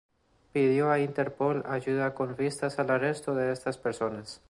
Pidió a Interpol ayuda con vistas al arresto de estas personas.